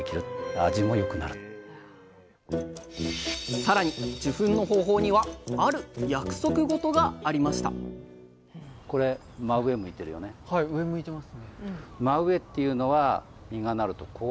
さらに受粉の方法にはある約束事がありましたそうなんです。